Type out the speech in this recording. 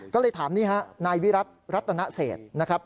ก็เลยถามนี่ฮะนายวิรัติรัตนเศษนะครับ